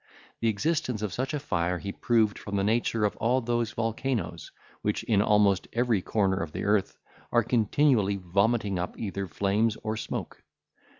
The existence of such a fire he proved from the nature of all those volcanoes, which in almost every corner of the earth are continually vomiting up either flames or smoke.